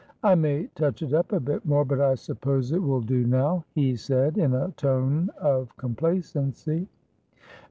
"I may touch it up a bit more, but I suppose it will do now," he said, in a tone of complacency.